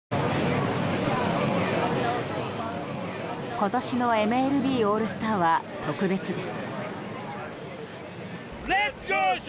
今年のＭＬＢオールスターは特別です。